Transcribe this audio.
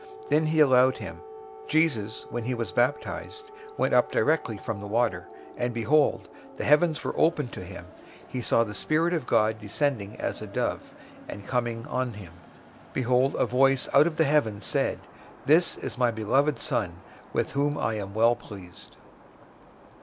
Then he allowed him. 003:016 Jesus, when he was baptized, went up directly from the water: and behold, the heavens were opened to him. He saw the Spirit of God descending as a dove, and coming on him. 003:017 Behold, a voice out of the heavens said, "This is my beloved Son, with whom I am well pleased."